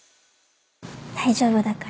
大丈夫だから。